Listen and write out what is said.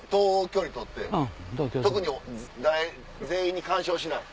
距離取って特に全員に干渉しない。